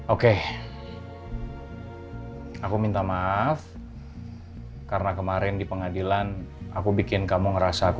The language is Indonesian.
oke aku minta maaf karena kemarin di pengadilan aku bikin kamu ngerasa